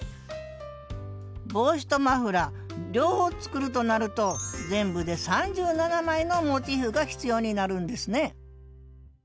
帽子とマフラー両方作るとなると全部で３７枚のモチーフが必要になるんですね